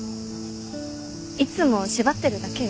いつも縛ってるだけよ。